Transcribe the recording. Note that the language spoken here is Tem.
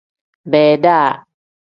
Beeda.